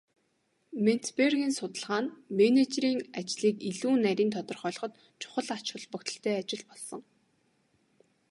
Менцбергийн судалгаа нь менежерийн ажлыг илүү нарийн тодорхойлоход чухал ач холбогдолтой ажил болсон.